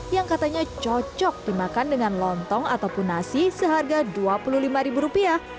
yang katanya cocok dimakan dengan lontong ataupun nasi seharga rp dua puluh lima